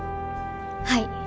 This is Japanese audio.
はい。